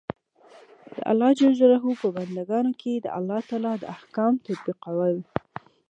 د الله ج په بندګانو د الله تعالی د احکام تطبیقول.